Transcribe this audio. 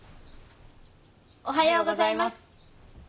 おはようございます。